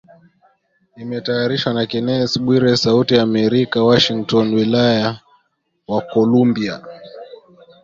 Imetayarishwa na Kennes Bwire, Sauti ya Amerika, Washington wilaya wa kolumbia